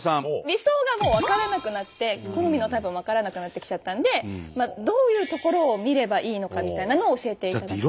理想がもう分からなくなって好みのタイプも分からなくなってきちゃったんでどういうところを見ればいいのかみたいなのを教えていただきたい。